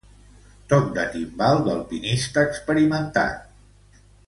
Toc de timbal d'alpinista experimentat.